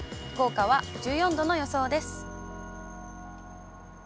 福岡は１４度の予想です。